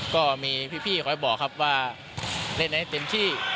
ก็มีพี่คอยบอกครับว่าเล่นให้เต็มที่